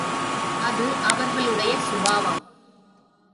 அது அவர்களுடைய சுபாவம்.